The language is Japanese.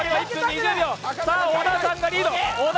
さあ小田さんがリード。